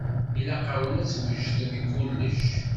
Ilaq-awen ad twejdem i kullec.